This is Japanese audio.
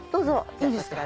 いいですか？